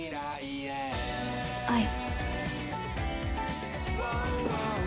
はい。